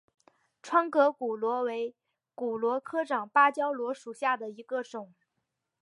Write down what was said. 窗格骨螺为骨螺科长芭蕉螺属下的一个种。